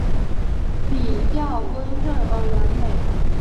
笔调温润而完美